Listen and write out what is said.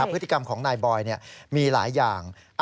พฤติกรรมของนายบอยมีหลายอย่าง